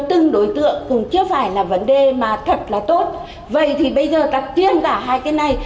từng đối tượng cũng chưa phải là vấn đề mà thật là tốt vậy thì bây giờ ta kiên cả hai cái này